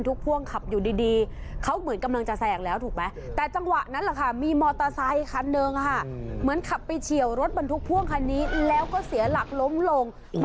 มันเห็นไม่ชัดนะครับเออแต่ปรับหูตรงเนี้ยโอ้โห